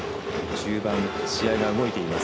中盤、試合が動いています。